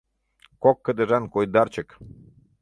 Кок кыдежан койдарчык